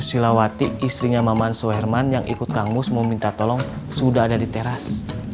susi susilawati istrinya maman suherman yang ikut kang mus mau minta tolong sudah ada di teras